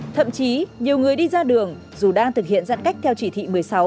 thậm chí nhiều người đi ra đường dù đang thực hiện giãn cách theo chỉ thị một mươi sáu